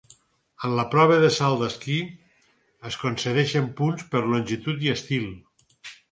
En la prova de salt d'esquí es concedeixen punts per longitud i estil.